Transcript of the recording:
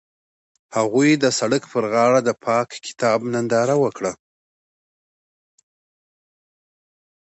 هغوی د سړک پر غاړه د پاک کتاب ننداره وکړه.